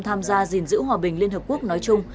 tham gia gìn giữ hòa bình liên hợp quốc nói chung